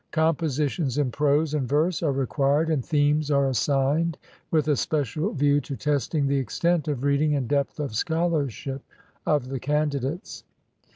Composi tions in prose and verse are required, and themes are assigned with a special view to testing the extent of reading and depth of scholarship of the candidates.